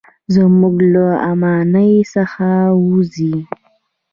زموږ له اميانۍ څخه ووزي.